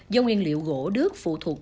do nguyên liệu gỗ đứt phụ thuộc